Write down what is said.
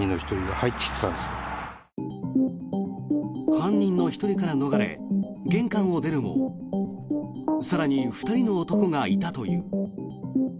犯人の１人から逃れ玄関を出るも更に２人の男がいたという。